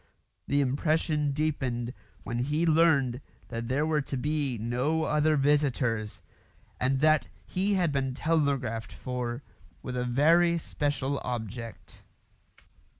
The impression deepened when he learned that there were to be no other visitors, and that he had been telegraphed for with a very special object.